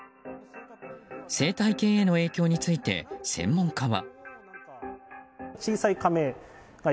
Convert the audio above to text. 生態系への影響について専門家は。